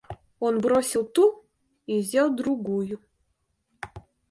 Он бросил ту и взял другую.